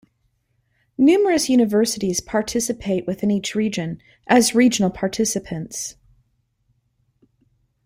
Numerous universities participate within each region as regional participants.